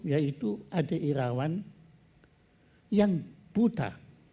yaitu ade irawan yang buta